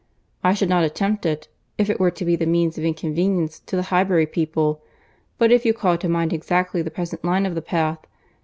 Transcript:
I should not attempt it, if it were to be the means of inconvenience to the Highbury people, but if you call to mind exactly the present line of the path....